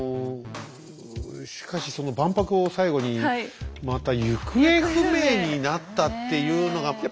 しかしその万博を最後にまた行方不明になったっていうのが。